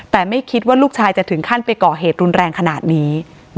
แต่ไม่คิดว่าลูกชายจะถึงขั้นไปก่อเหตุรุนแรงขนาดนี้